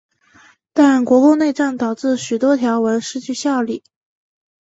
但国共内战导致许多条文失去效力。